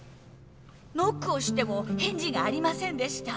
ノックをしても返事がありませんでした。